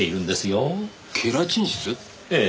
ええ。